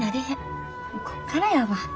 こっからやわ。